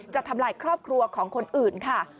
ทำลายครอบครัวของคนอื่นค่ะ